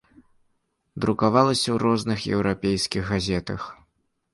Друкавалася ў розных еўрапейскіх газетах.